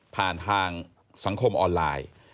ผ่านทางสังคมออนไลน์